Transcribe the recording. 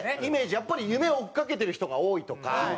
やっぱり夢を追っ掛けてる人が多いとか。